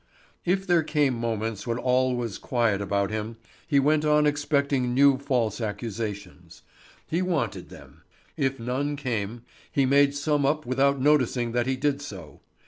If there came moments when all was quiet about him, he went on expecting new false accusations. He wanted them. If none came, he made some up without noticing that he did so.